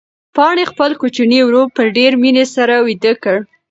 پاڼې خپل کوچنی ورور په ډېرې مینې سره ویده کړ.